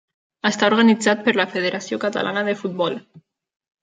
Està organitzat per la Federació Catalana de Futbol.